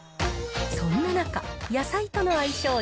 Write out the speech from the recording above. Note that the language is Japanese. そんな中、野菜との相性